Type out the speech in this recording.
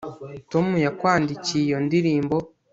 tom yakwandikiye iyo ndirimbo